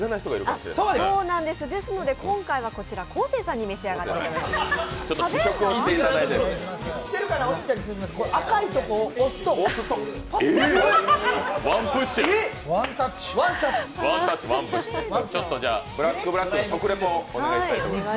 そうなんです、ですので、今回はこちら昴生さんに召し上がっていただきます。